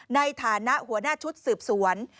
ในฐานะหัวหน้าชุดสืบสวน